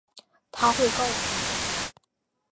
她会告诉你